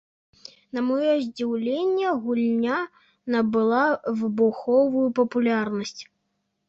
На маё здзіўленне, гульня набыла выбуховую папулярнасць.